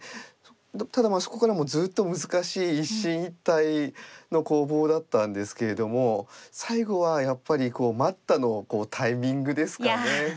ただそこからもずっと難しい一進一退の攻防だったんですけれども最後はやっぱり「待った！」のタイミングですかね。